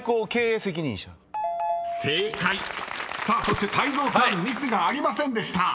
［さあそして泰造さんミスがありませんでした］